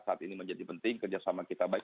saat ini menjadi penting kerjasama kita baik